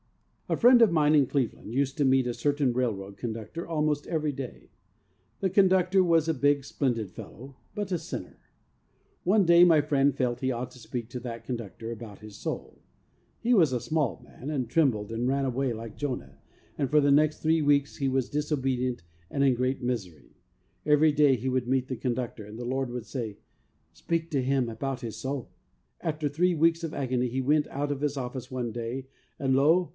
A friend of mine in Cleveland used to meet a certain railroad conductor almost every day. The conductor was a big, splendid fellow, but a sinner. One day my friend felt he ought to speak to that conductor about his soul. He was a small man, and trembled and ran away like Jonah, and for the next three weeks he was disobedient and in great misery. Every day he would meet the con ductor, and the Lord would say, ' Speak to him about his soul.' After three weeks of agony he went out of his office one day, and lo